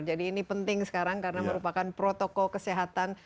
jadi ini penting sekarang karena merupakan protokol kesehatan